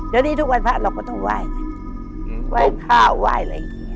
เดี๋ยวนี้ทุกวันพระเราก็ต้องไหว้ไงไหว้ข้าวไหว้อะไรอย่างนี้